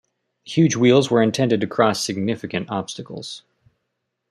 The huge wheels were intended to cross significant obstacles.